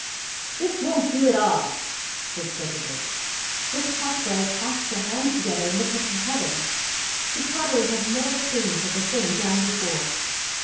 "This won't do at all," said Silverbridge. Miss Cassewary clasped her hands together and looked up to heaven. She probably had never seen such a thing done before.